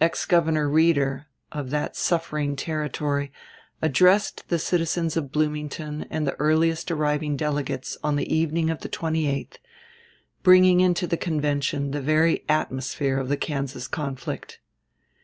Ex Governor Reeder, of that suffering Territory, addressed the citizens of Bloomington and the earliest arriving delegates on the evening of the 28th, bringing into the convention the very atmosphere of the Kansas conflict.